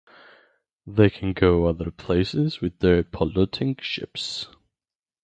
They can go other places with their polluting ships.